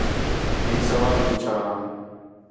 ہِک سوال پُچھاں